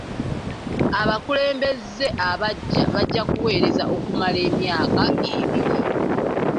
Abakulembeze abaggya bajja kuweereza okumala emyaka ebiri.